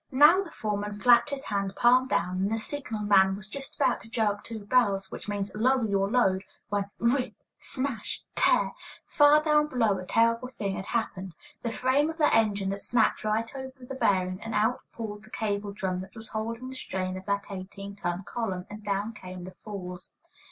Now the foreman flapped his hand palm down, and the signal man was just about to jerk two bells, which means "lower your load," when rip smash tear! Far down below a terrible thing had happened: the frame of the engine had snapped right over the bearing, and out pulled the cable drum that was holding the strain of that eighteen ton column, and down came the falls.